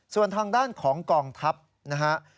ส่วนทางด้านของกองทัพนะฮะ